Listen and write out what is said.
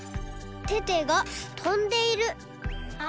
テテがとんでいる。